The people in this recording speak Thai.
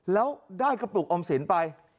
แล้วได้กระปุกออมสินไป